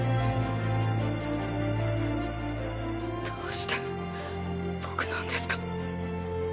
どうして僕なんですか？